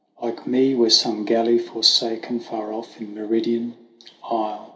" Like me were some galley forsaken far off in Meridian isle.